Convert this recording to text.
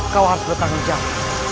kau harus bertanggung jawab